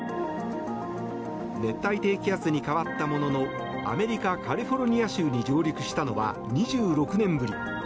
熱帯低気圧に変わったもののアメリカ・カリフォルニア州に上陸したのは２６年ぶり。